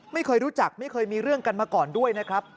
ไม่เคยรู้จักไม่เคยมีเรื่องกันมาก่อนด้วยนะครับ